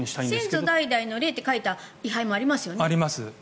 先祖代々の霊って書いた位牌もありますよね。